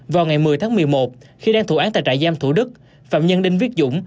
vào ngày một mươi tháng một mươi một khi đang thủ án tại trại giam thủ đức phạm nhân đinh viết dũng